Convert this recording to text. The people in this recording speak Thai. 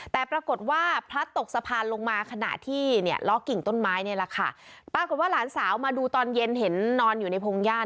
แต่ปรากฏว่าพลัดตกสะพานลงมาขณะที่เนี่ยล้อกิ่งต้นไม้นี่แหละค่ะปรากฏว่าหลานสาวมาดูตอนเย็นเห็นนอนอยู่ในพงหญ้าน